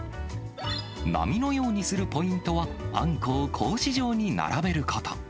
波のようにするポイントは、あんこを格子状に並べること。